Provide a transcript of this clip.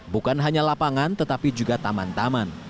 bukan hanya lapangan tetapi juga taman taman